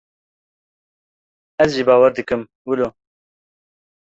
Ez jî bawer dikim wilo.